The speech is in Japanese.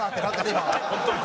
今。